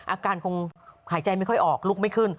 อาการคงหายใจไม่ค่อยออกลุกไม่ขึ้น